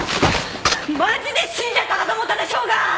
マジで死んじゃったかと思ったでしょうが！